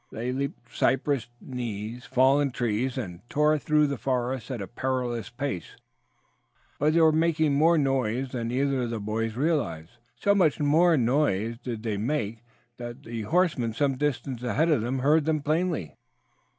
They leaped cypress knees, fallen trees, and tore through the forest at a perilous pace, but they were making more noise than either of the boys realized. So much noise did they make that horseman some distance ahead of them heard them plainly.